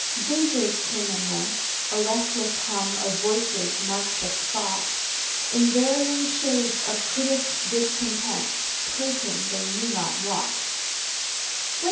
Gazers came and went A restless hum of voices marked the spot In varying shades of critic discontent Prating they knew not what.